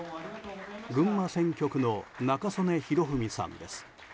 群馬選挙区の中曽根弘文さんです。